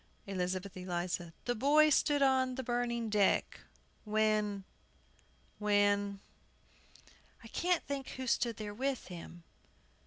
ELIZABETH ELIZA. "The boy stood on the burning deck, When When " I can't think who stood there with him.